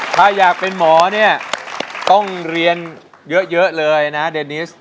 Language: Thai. ถ้าอยากเป็นหมอเนี่ยต้องเรียนเยอะเลยนะเดนิส